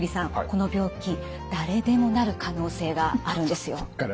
この病気誰でもなる可能性があるんですよ。